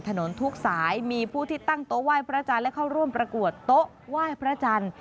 ทุกสายมีผู้ที่ตั้งโต๊ะไหว้พระจันทร์และเข้าร่วมประกวดโต๊ะไหว้พระจันทร์